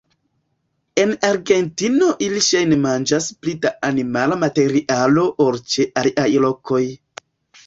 En Argentino ili ŝajne manĝas pli da animala materialo ol ĉe aliaj lokoj.